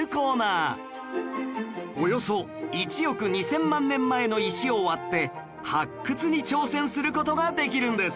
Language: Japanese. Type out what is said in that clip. およそ１億２０００万年前の石を割って発掘に挑戦する事ができるんです